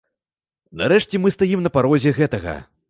Нарэшце мы стаім на парозе гэтага.